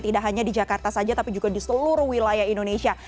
tidak hanya di jakarta saja tapi juga di seluruh wilayah indonesia